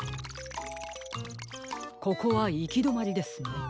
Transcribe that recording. ここはいきどまりですね。